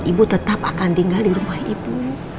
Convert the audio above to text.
ibu tetap akan tinggal di rumah ibu